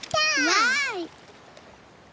わい！